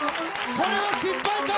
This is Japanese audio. これは失敗か？